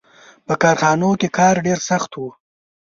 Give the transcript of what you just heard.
• په کارخانو کې کار ډېر سخت و.